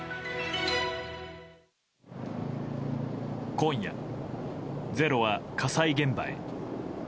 今夜、「ｚｅｒｏ」は火災現場へ。